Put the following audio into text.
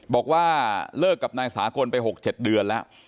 บอกว่าเลิกกับนายสากลไป๖๗เดือนแล้ว